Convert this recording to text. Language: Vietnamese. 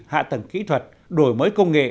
hạ tầng kỹ thuật đổi mới công nghệ